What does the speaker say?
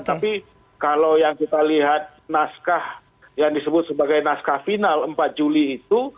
tapi kalau yang kita lihat naskah yang disebut sebagai naskah final empat juli itu